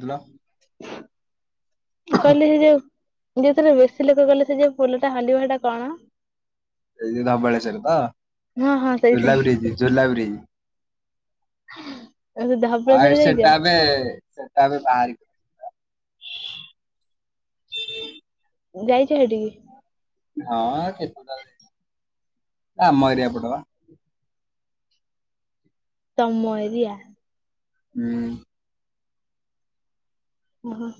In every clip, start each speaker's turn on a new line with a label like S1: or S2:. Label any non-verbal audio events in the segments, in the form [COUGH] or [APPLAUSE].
S1: ଫୁଲ
S2: ମୁଁ କାଲି ସେ ଯୋଉ ଯୋଉ ଥିରେ ବେଶୀ ଲୋକ ଗଲେ ସେ ଯେ ପୋଲଟା ହଲିବ ହେଟା କଣ?
S1: ଏଇ ଯୋ ଧବଳେଶ୍ଵର ତ
S2: ହଁ ହଁ ସେଇ ସେଇ
S1: ଝୁଲା ବ୍ରିଜ ଝୁଲା ବ୍ରିଜ
S2: [UNINTELLIGIBLE] ଧ
S1: ଆଉ ସେଟାବେ ସେଟା ବି ବାହାର
S2: ଯାଇଛ ସେଠିକି?
S1: ହଁ କେତେ ଥର ଏରିଆ ପଟ ପା।
S2: ତମ ଏରିଆ?
S1: ହୁଁ।
S2: ଓହୋ।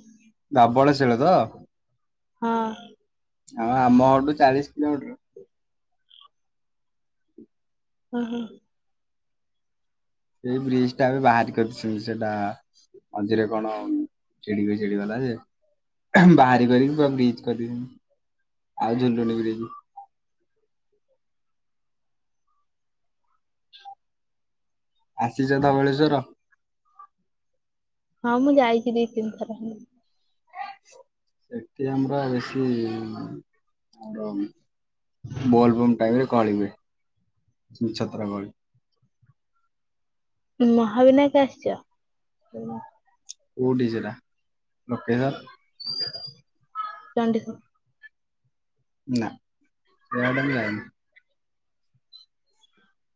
S1: ଦାବଳ ଶିଳ ତ?
S2: ହଁ।
S1: ଆଁ ଆମ ଘରଠୁ ଚାଳିଶ କିଲୋମିଟର।
S2: ଓ ହୋ।
S1: ସେଇ ବ୍ରିଜ ଟା ଆ ବାହାରି କରିଛୁ ସେଟା। ମଝିରେ କଣ ଚିଡିକି ଚିଡିଗଲା ଯେ ବାହାରି କରିକି ପୁରା ବ୍ରିଜ କରିଦି ଆଉ ଝୁଲୁନି ବ୍ରିଜ। ଆସିଛ ଧବଳେଶ୍ଵର?
S2: ହଁ ମୁଁ ଯାଇଛିି ଦି ତିନିଥର।
S1: ସେଟି ଆମର ବେଶୀ ଆମର ବୋଲ ବମ୍ ଟାଇମରେ କଳିି ହୁଏ। ଛିନ୍ ଛତର କଳି।
S2: ମହାବିନାୟକ ଆସିଛ?
S1: କୋଉଠି ସେଟା ଲୋକେସନ୍?
S2: ଚଣ୍ଡିଖୋଲ।
S1: ନା ସେଇଆଡ଼େ ଆମେ ଯାଇନୁ।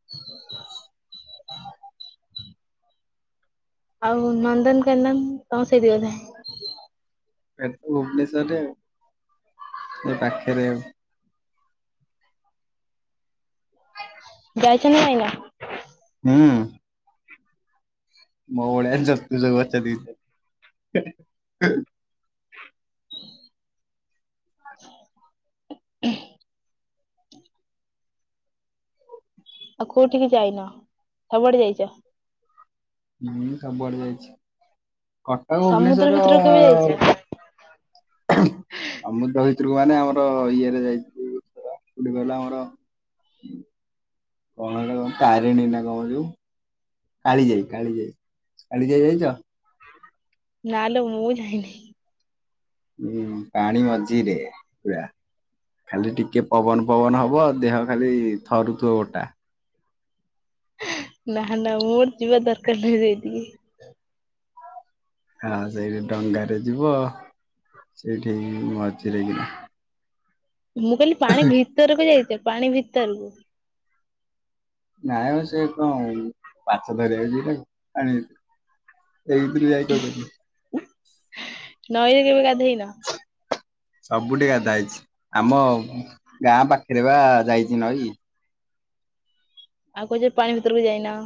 S2: [INAUDIBLE] ଆଉ ନନ୍ଦନକାନନ କଣ ସେଇ ଦି ବଥାଏଁ
S1: ଏଠି ଭୁବନେଶ୍ଵରରେ ଏ ପାଖରେ ଆଉ।
S2: ଯାଇଛ ନା ଯାଇନ?
S1: ହୁଁ। ମୋ ଭଳିଆ ଜ୍ୟୋତିଷ ପଚାରିକି [INAUDIBLE]
S2: ଆଉ କୋଉଠିକି ଯାଇନ ସବୁଆଡେ ଯାଇଛ?
S1: ମୁଁ ସବୁ ଆଡେ ଯାଇଛି କଟକ
S2: ସମୁଦ୍ର
S1: ଭୁବନେଶ୍ଵର
S2: ଭିତରକୁ କେବେ ଯାଇଛ?
S1: ଅମୃଦ ଭିତରକୁ ମାନେ ଆମର ଇଏରେ ଯାଇଥିଲ କୋଉଠି କହିଲ ଆମର କଣ ହେ କଣ ତାରିଣୀ ନା କଣ ଯୋଉ କାଳି ଯାଇ କାଳି ଯାଇ କାଳି ଯାଇ ଯାଇଛ?
S2: ନା ଲୋ ମୁଁ ଯାଇନି।
S1: ହୁଁ ପାଣି ମଝିରେ ପୁରା। ଖାଲି ଟିକେ ପବନ ପବନ ହବ ଦେହ ଖାଲି ଥରୁଥିବ ଗୋଟା।
S2: ନା ନା ମୋର ଯିବା ଦରକାର ନାହିଁ ସେଇ ଟିକେ
S1: ହଁ ସେଇଠି ଡଙ୍ଗାରେ ଯିବ ସେଇଠି ମଝିରେ କିନା
S2: ମୁଁ କହିଲି ପାଣି ଭିତରକୁ ଯାଇଛି ପାଣି ଭିତରକୁ
S1: ନାଇଁଉ ସେ କଣ ପାଛ ଧରିବା ଯିବା ଆଣି ଏଇଥିରେ ଯାଇକ ପାଇଁନି
S2: ନଈରେ କେବେ ଗାଧେଇନ?
S1: ସବୁଠିକି ଗାଧା ହେଇଛି ଆମ ଗାଁ ପାଖରେ ଦେବା ଯାଇଛି ନଈ
S2: ଆଉ କହୁଛ ପାଣି ଭିତରକୁ ଯାଇନ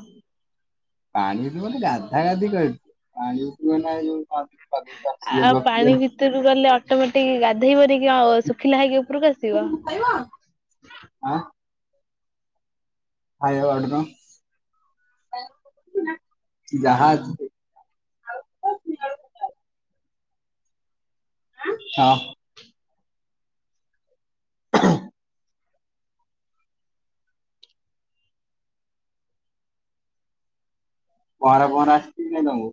S1: ପାଣି ବୋ [UNINTELLIGIBLE] ଗାଧା ଗାଧି କହି ପାଣି। ଲଗେଇକି ଅକ୍ସିଜେନ
S2: ଆଉ
S1: ଫକ୍ସିଜେନ
S2: ପାଣି ଭିତରୁ ଗଲେ ଅଟୋମେଟିକ ଗାଧେଇବନି କି ଆଉ ଶୁଖିଲା ହେଇକି ଉପରକୁ ଆସିବ।
S1: ଖାଇ [UNINTELLIGIBLE] ଜାହା ହଁ। ପହଁରା ପହଁରା ଆସିଛି ନାଇ ତମକୁ।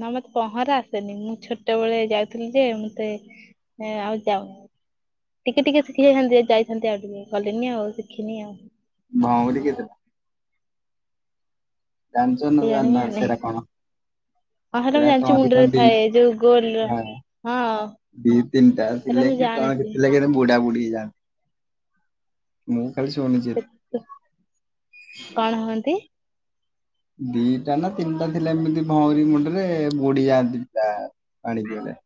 S2: ନା ମତେ ପହଁରା ଆସେନି ମୁଁ ଛୋଟବେଳେ ଯାଇଥିଲି ଯେ ମତେ ହଁ ଆଉ ଯାଉନି। ଟିକେ ଟିକେ ଶିଖିଯାଇଥାନ୍ତି ଯାଇଥାନ୍ତି ଆଉ ଟିକେ ଗଲିନି ଆଉ ଶିଖିନି ଆଉ।
S1: ଭଁଉରି କେତେ। ଜାଣିଛ ନା
S2: କେଜାଣି ମୁଁ
S1: ଜାଣିନା
S2: ଜାଣିନି
S1: ସେଇଟା କଣ?
S2: ପହଁରା ମୁଁ
S1: ସେଟା
S2: ଜାଣିଛି
S1: କହନ୍ତି
S2: ମୁଣ୍ଡରେ
S1: କହନ୍ତି
S2: ଥାଏ ଯୋଉ ଗୋଲ
S1: [UNINTELLIGIBLE]
S2: ହଁ
S1: ଦି ତିନିଟା
S2: ସେଟା
S1: ଥିଲେ
S2: ମୁଁ
S1: କି କଣ
S2: ଜାଣିଛି।
S1: ଥିଲା କି ବୁଡା ବୁଢୀ ହେଇଯାଆନ୍ତ। ମୁଁ ଖାଲି ଶୁନିି।
S2: କଣ ହୁଅନ୍ତି?
S1: ଦିଟା ନା ତିନିଟା ଥିଲା ଏମିତି ଭଉଁରୀ ମୁଣ୍ଡରେ ବୁଡି ଜାନ୍ତି ତା ପାଣିି ଦିଅରେ।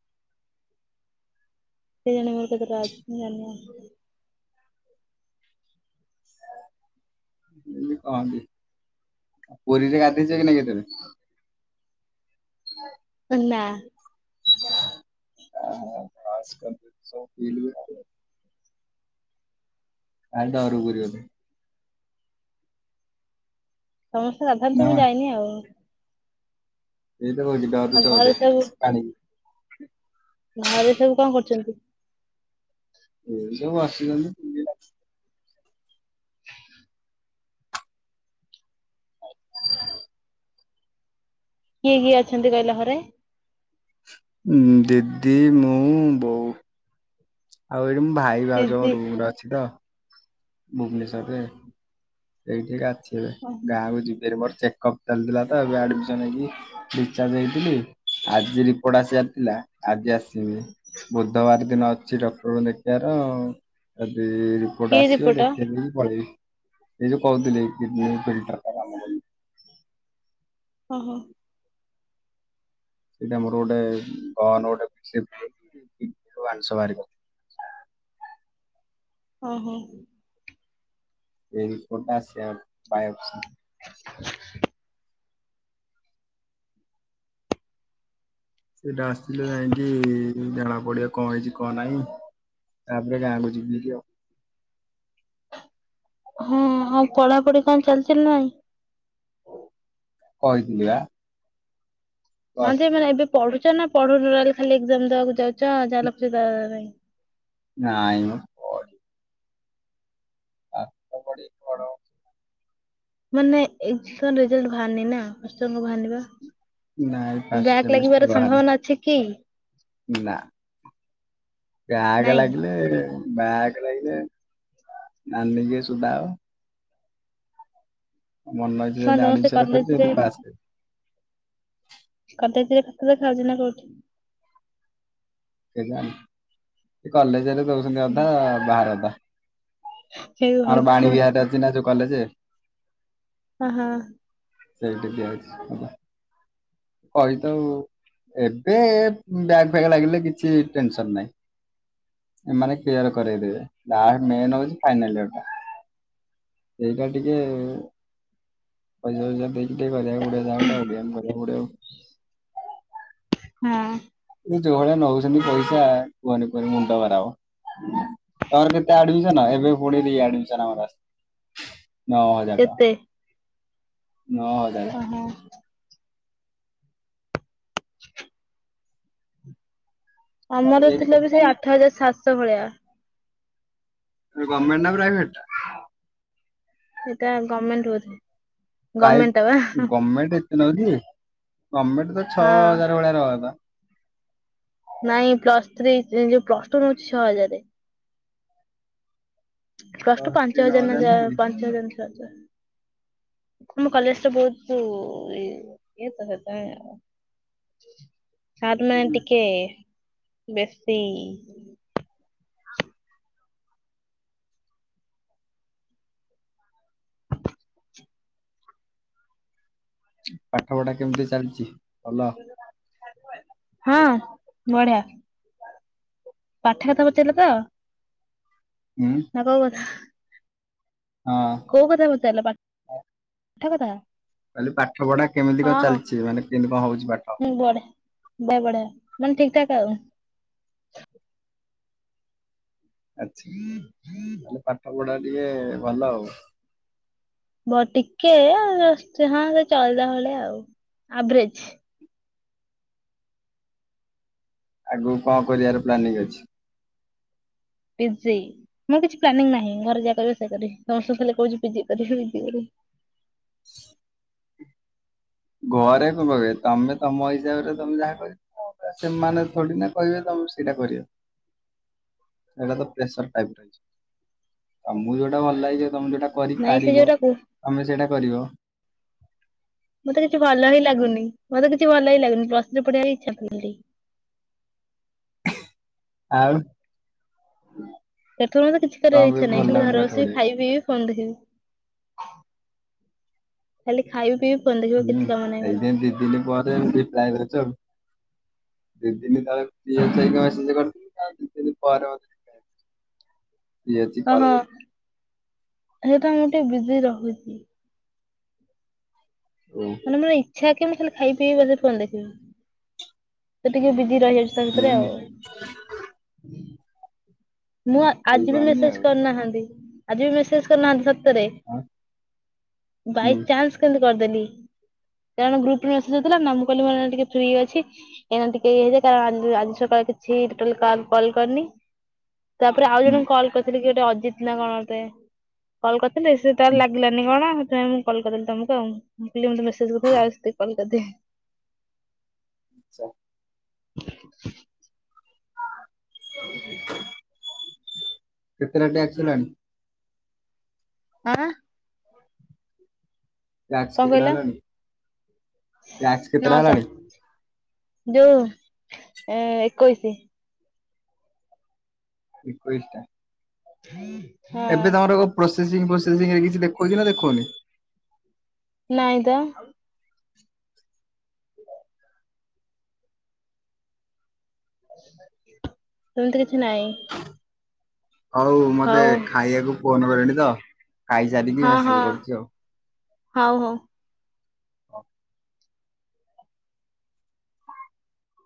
S2: କେ ଜାଣେ ମୋର କେତେଟା ଅଛି ମୁ ଜାଣିନୀ ଆଉ।
S1: ଏମିତି କହନ୍ତି ଆଉ ପୁରୀରେ ଗାଧେଇଛ କି ନାଇ କେତବେ। ହଁ
S2: ନା।
S1: ଆ [UNINTELLIGIBLE]
S2: ହ
S1: ଆ କୁରି ଅଛୁ।
S2: ସମସ୍ତେ [UNINTELLIGIBLE]
S1: ନା
S2: ମୁଁ ଯାଇନି ଆଉ।
S1: ଏଇ ତ କଉଚି ଡାରୁଚ
S2: ଆଉ ଘରେ
S1: ବୋଧେ
S2: ସବୁ
S1: ପା
S2: ଘରେ ସବୁ କଣ କରୁଛନ୍ତି।
S1: ଏଇ ସବୁ ବସିଚନ୍ତି।
S2: କିଏ କିଏ ଅଛନ୍ତି କହିଲ ଘରେ।
S1: ଦିଦି ମୁଁ ବଉ। ଆଉ ଏଇଠି ମୁ ଭାଇ ଭାଉଜ
S2: ଦିଦି
S1: ରୁମରେ ଅଛି ତ। ଭୁବନେଶ୍ୱରରେ ଏଇଠି ଅଛି ଏବେ
S2: ଓହୋ
S1: ଗାଁକୁ ଯିବି ମୋର ଚେକଅପ ଚାଲିଥିଲା ତ ଏବେ ଆଡମିସନ ହେଇକି ଡିଚାର୍ଜ ହେଇଥିଲି ଆଜି ରିପୋର୍ଟ ଆସି ଆରଥିଲା ଆଜି ଆସିନୀ। ବୁଧବାର ଦିନ ଅଛି ଡକ୍ଟରଙ୍କୁ ଦେଖିବାର ଯଦି
S2: କି ରିିପୋଟ।
S1: ପଳେଇିବି ଏ ଯୋଉ କହୁଥିଲି କିଡିନ ପି କାମ
S2: ଓ ହୋ।
S1: ସେଇଟା ମୋର ଗୋଟେ ଗହନ ଗୋଟେ [UNINTELLIGIBLE] ମାଂଷ ବାହାରି ବ।
S2: ଓ ହୋ।
S1: ଏହି ରିପୋଟା ଆସି ପାୟଲଶ। ସେଟା ଆସିଲେ ଯାଇକି ଜଣା ପଡ଼ିବ କଣ ହେଇଛି କଣ ନାହିଁ। ତାପରେ ଗାକୁ ଯିବି କି ଆଉ।
S2: ହଁ ଆଉ ପଢାପଢି କଣ ଚାଲିଚ ନା ନାଇଁ।
S1: କହିଥିଲି ଆ।
S2: ହଁ ଯେ ମାନେ ଏବେ ପଢୁଛ ନା ପଢୁନହ ଖାଲି ଏକ୍ଜାମ ଦବାକୁ ଯାଉଛ ଯାହା ଲେଖୁଚ।
S1: ନାଇମ। ପାଠ ପଢିକ ବଡ଼
S2: ମାନେ [UNINTELLIGIBLE] ରେଜଲ୍ଟ ବାହାରନି ନା। [UNINTELLIGIBLE]
S1: ନାଇଁ ଫାଷ୍ଟ
S2: ବ୍ୟାକ୍ ଲାଗିବାର
S1: ସେମିଷ୍ଟାର୍ ବାହାରିନି,
S2: ସମ୍ଭାବନା ଅଛି କି
S1: ନା। ବ୍ୟାଗ
S2: ନାଇଁ?
S1: ଲାଗିଲେ। ବ୍ୟାଗ ଲାଗିଲେ ନାନୀ କି ବି ସୋଦା ହବ। ମନ ଇଚ୍ଛା ରେ
S2: କଣ
S1: ଜେମି
S2: ସମସ୍ତେ
S1: ଆଡମିଶନ୍ କରି
S2: କଲେଜରେ
S1: [UNINTELLIGIBLE]
S2: କଲେଜ ରେ ଖାତା ଦେଖା ହୋଉଛି ନା କୋଉଠି?
S1: କଲେଜରେ ଦଉଛନ୍ତି ଅଧା, ବାହାରେ ଅଧା।
S2: ହେ
S1: ଆମର ବାଣୀ
S2: ଭଗବାନ
S1: ବିହାରରେ ଅଛି ନା ଯୋଉ କଲେଜେ।
S2: ଓ ହଁ।
S1: ସେଇଟି ଦିଆହୋଇଛି ହେଲା। କହିଥାଉ, ଏବେ ବ୍ୟାଗ ଫ୍ୟାଗ ଲାଗିଲେ କିଛି ଟେନସନ ନାଇଁ। ଏମାନେ କ୍ଲିୟର କରେଇଦେବେ, ବା ମେନ୍ ହଉଚି ଫାଇନାଲ ଇଅରଟା ସେଇଟା ଟିକେ ପଇଶା ପଇସା ଦେଇକି ଟିକେ କରିବାକୁ ପଡିଆ [UNINTELLIGIBLE]
S2: ହୁଁ।
S1: ଯୋଉ ଝଗଡ଼ା ନଗଉଛନ୍ତି ପଇସା କୁହନି କୁହନି ମୁଣ୍ଡ ଖରାପ। ତୋର କେତେ ଆଡମିସନ? ଏବେ ପୁଣି ରିଆଡମିସନ ଆମର ଆସିଚି। ନଅ ହଜାର ଟଙ୍କା,
S2: କେତେ?
S1: ନଅ ହଜାର
S2: ଶହେ।
S1: ତାହେଲେ
S2: ଆମର
S1: ସେଇଠି
S2: ଥିଲା
S1: କେତେ
S2: ବି
S1: କଣ
S2: ସେଇ
S1: ନଉଛନ୍ତି
S2: ଆଠ ହଜାର ସାତଶ ଭଳିଆ।
S1: ଗର୍ମେଣ୍ଟ ନା ପ୍ରାଇଭେଟ ଟା?
S2: ସେଇଟା ଗମେଣ୍ଟ ଥି
S1: ପ୍ରାଇ ଗମେଣ୍ଟ ଏତେ ନଉଚି? ଗମେଣ୍ଟ ତ ଛଅ
S2: ହଁ
S1: ହଜାର ଭଳିଆ ନବା କଥା।
S2: ନାଇଁ ପ୍ଲସ ଥ୍ରୀ ଯୋଉ ପ୍ଲସ ଟୁ ନୋଉଚି ଛଅ ହଜାରେ। ପ୍ଲସ ଟୁ
S1: ଦଶ କି
S2: ପାଞ୍ଚ
S1: ନଅ
S2: ହଜାର ନା ଯା
S1: ନୁହଁ କି
S2: ପାଞ୍ଚ ହଜାର ଛଅ ହ। ଆମ କଲେଜ ଟା ବହୁତ ଇଏ ତ ସେଇଥି [UNINTELLIGIBLE] ଟିକେ ବେଶୀ।
S1: ପାଠ ପଢା କେମିତି ଚାଲିଚି? ଭଲ।
S2: ହଁ ବଢିଆ। ପାଠ କଥା ପଚାରିଲେ ତ?
S1: ଉଁ।
S2: [UNINTELLIGIBLE]
S1: ହଁ।
S2: କୋଉ କଥା ପଚାରିଲ ପାଠ କଥା?
S1: କଇଲି ପାଠ ପଢା କେମିତି
S2: ହଁ
S1: କଣ
S2: ହଁ
S1: ଚାଲିଚି, ମାନେ କେମିତି କଣ ହଉଚି ପାଠ?
S2: ବା ବଢିଆ ମାନେ ଠିକ୍ ଠାକ୍ ଆଉ।
S1: ଆଛା, ତାହେଲେ ପାଠ ପଢା ଟିକେ ଭଲ ଆଉ।
S2: ବ ଟିକେ ଜଷ୍ଟ ହଁ ସେ ଚଳିଲା ଭଳିଆ ଆଉ ଆଭରେଜ।
S1: ଆଗକୁ କଣ କରିବାର ପ୍ଲାନିଂ ଅଛି?
S2: ପିଜି, ମୁଁ କିଛି ପ୍ଲାନିଂ ନାହିଁ, ଘରେ ଯାହା କହିବେ ସେଇଆ କରିବି, ସମସ୍ତେ କହୁ ପିଜି କର ପିଜି କରିବି ବୋଲି।
S1: ଘରେ କଣ କ ତମେ ତମ ହିସାବରେ ତମେ ଯାହା କ ସେମାନେ ଥୋଡି ନା କହିବେ ତମେ ସେଇଟା କରିବ। ସେଟା ତ ପ୍ରେସର ଟାଇପ ହେଇଚି। ତମୁକୁ ଯୋଉଟା ଭଲ ଲାଗିବ ତମେ ଯୋଉଟା
S2: ନାଇଁ ସେ
S1: କରିପାରିବ,
S2: ଯୋଉଟାକୁ
S1: ତମେ ସେଇଟା କରିବ।
S2: ମତେ କିଛି ଭଲ ହିଁ ଲାଗୁନି। ମତେ କିଛି ଭଲ ହିଁ ଲାଗୁନି। ପ୍ଲସ ଥ୍ରି ପଢିବାକୁ ଇଚ୍ଛା [UNINTELLIGIBLE]
S1: ଆଉ।
S2: ସେଥିରୁ ମତେ କିଛି
S1: କଣ
S2: କରିବାକୁ
S1: ପାଇଁ
S2: ଇଚ୍ଛା
S1: ଭଲ
S2: ନାହିଁ, ଖାଲି
S1: ଲାଗୁନି
S2: ଘରେ
S1: ପାଠ
S2: ବସିବି
S1: ପଢିବାକୁ
S2: ଖାଇବି ପିଇବି ଫୋନ୍ ଦେଖିବି। ଖାଲି ଖାଇବି ପିଇବି ଫୋନ୍ ଦେଖିବ ଆଉ କିଛି କାମ ନାହିଁ ମୋର।
S1: ଶେମ୍ [UNINTELLIGIBLE] ଦି ଦିନ ତଳେ ଫି ଯାଇକି ମେସେଜ କରିଥିଲି ଦି ଦିନ ପରେ [UNINTELLIGIBLE] ହ [UNINTELLIGIBLE]
S2: ହହଁ ସେଇଟା ମୁଁ ଟିକେ ବିଜି ରହୁଚି।
S1: ଓ।
S2: ମାନ ମୋର ଇଛା କି ମୁଁ ଖାଇ ପିଇ ବଜେଟ କରିନେବି। ସେ ଟିକେ ବିଜି ରହିଯାଉଛି ତା ଭିତରେ ଆଉ
S1: ହୁଁ
S2: ମୁଁ ଆଜି ବି
S1: ହେଇପାରୁନି
S2: ମେସେଜ
S1: ଆଉ
S2: କରିନାହାନ୍ତି ଆଜି ବି ମେସେଜ କରିନାହାନ୍ତିତ ତରେ
S1: ଆଁ ହୁଁ
S2: ବାଇ ଚାନ୍ସ କେମିତି କରିଦେଲି। ଜଣେ ଗୁପ ରେ ମେସେଜ ଦେଇଥିଲା ମୁଁ କଇଲି ମୁଁ ଏଇନା ଟିକେ ଫ୍ରି ଅଛି। ଏଇନା ଟିକେ ଇ ହେଇଚି କାରଣ ଆଜି ସକାଳେ କିଛିଟ କାର୍ କଲ୍ କରିନି ତାପରେ ଆଉ
S1: ହୁଁ
S2: ଜଣ କଲ୍ କରିଥିଲେ କି ଗୋଟେ ଅଜିତ ନା କଣ ଅଟେ। କଲ୍ କରିଥିଲି ସେ ତାର
S1: ହୁଁ
S2: ଲାଗିଲାନି କଣ ସେଥିପାଇଁ ମୁଁ କଲ କରି ନଥିଲି ତମକୁ ଆଉ ମୁଁ ପିଲେ ମତେ ମେସେଜ୍ କରିଥିଲେ ଯାଉଚି ଟିକେ କଲ କରିଦେଏ।
S1: ଆଚଛା। କେତେଟ୍ଟା ଟାକ୍ସ୍ ଦେଲାଣି।
S2: ଆଁ।
S1: ଟ୍ୟାକ୍ସ
S2: କଅଁ
S1: କେତେଟା
S2: କଇଲ
S1: ହେଲାଣି ଟ୍ୟାକ୍ସ
S2: ନଅ
S1: କେତେଟା
S2: ସହ।
S1: ହେଲାଣି?
S2: ଯୋଉ ଏକୋଇଶି।
S1: ଏକୋଇଶ ଟା।
S2: ହଁ [UNINTELLIGIBLE]
S1: ଏବେ ତମର ପ୍ରୋସେସିଂ ପ୍ରୋସେସିଂ ରେ କିଛି ଦେଖିଉଚି ନା ଦେଖଉନି।
S2: ନାଇଁ ତ ସେମିତି କିଛି ନାହିଁ।
S1: ହଉ ମତେ ଖାଇବାକୁ ଫୋନ କଲେଣି ତ ଖାଇସାରିକି
S2: ହଁ ହଁ
S1: ମେସେଜ କରୁଚି ଆଉ
S2: ହଉ ହଉ।